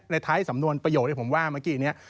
ท้ายสำนวนประโยคที่ผมว่าเมื่อกี้นี้